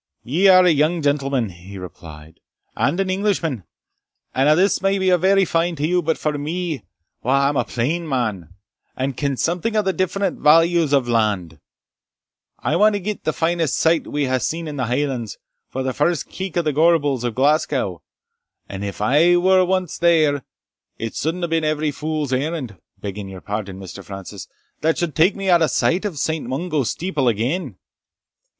"Ye are a young gentleman," he replied, "and an Englishman, and a' this may be very fine to you; but for me, wha am a plain man, and ken something o' the different values of land, I wadna gie the finest sight we hae seen in the Hielands, for the first keek o' the Gorbals o' Glasgow; and if I were ance there, it suldna be every fule's errand, begging your pardon, Mr. Francis, that suld take me out o' sight o' Saint Mungo's steeple again!"